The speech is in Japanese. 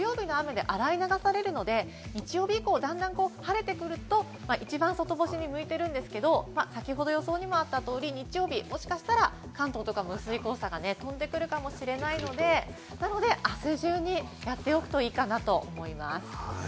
土曜日の雨で本来は流されるので、日曜日以降、だんだん晴れてくると、一番、外干しに向いてるんですけど、先ほどの予想にもあった通り、日曜日もしかしたら、関東でも薄い黄砂が飛んでくるかもしれないので、なので明日中に洗っておくといいかなと思います。